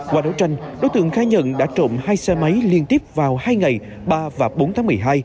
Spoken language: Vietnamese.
qua đấu tranh đối tượng khai nhận đã trộm hai xe máy liên tiếp vào hai ngày ba và bốn tháng một mươi hai